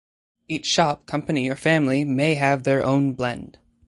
Each shop, company, or family may have their own blend.